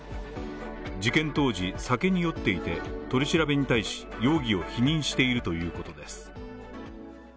事件当時、酒に酔っていて、取り調べに対し容疑を否認しているということです。